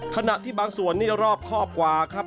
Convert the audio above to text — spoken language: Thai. ขณะที่บางส่วนนี่รอบครอบกว่าครับ